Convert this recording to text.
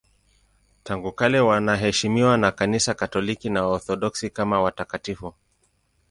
Tangu kale wanaheshimiwa na Kanisa Katoliki na Waorthodoksi kama watakatifu.